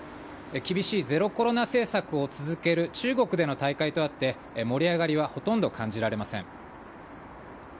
厳しいゼロコロナ政策を続ける中国での大会とあって、盛り上がりはほとんど感じられません。